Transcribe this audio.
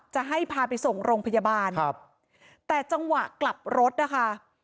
จะให้พาไปส่งโรงพยาบาลครับแต่จังหวะกลับรถนะคะ